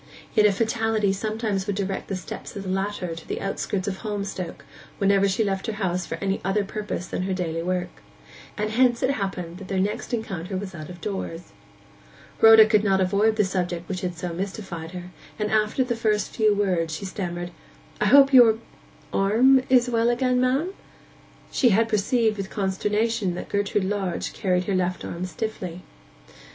Yet a fatality sometimes would direct the steps of the latter to the outskirts of Holmstoke whenever she left her house for any other purpose than her daily work; and hence it happened that their next encounter was out of doors. Rhoda could not avoid the subject which had so mystified her, and after the first few words she stammered, 'I hope your—arm is well again, ma'am?' She had perceived with consternation that Gertrude Lodge carried her left arm stiffly.